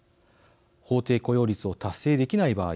法定雇用率を達成できない場合